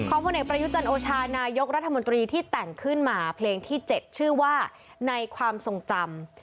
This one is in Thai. พลเอกประยุจันโอชานายกรัฐมนตรีที่แต่งขึ้นมาเพลงที่๗ชื่อว่าในความทรงจำ